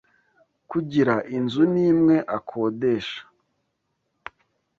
kugira inzu n’imwe akodesha,